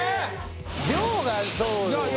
量がそうよ